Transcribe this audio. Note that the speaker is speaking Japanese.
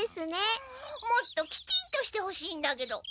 もっときちんとしてほしいんだけど。